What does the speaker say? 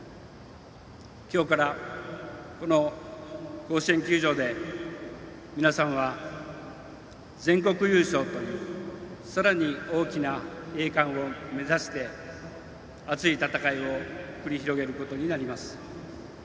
今日から、この甲子園球場で皆さんは全国優勝というさらに大きな栄冠を目指して熱い戦いを繰り広げることになります。